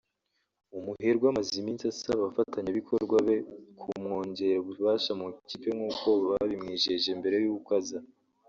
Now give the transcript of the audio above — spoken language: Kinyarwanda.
umuherwe amaze iminsi asaba abafatanyabikorwa be kumwongera ububasha mu ikipe nk’uko babimwijeje mbere y’uko aza